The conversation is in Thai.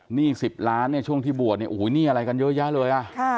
หนี้๑๐ล้านบาทช่วงที่บวชนี่อะไรกันเยอะแยะเลย